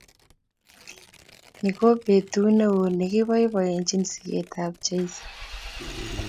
Ni ko betut neo nekiboiboichin sigetab jeiso